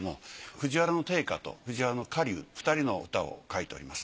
藤原定家と藤原家隆２人の歌を書いております。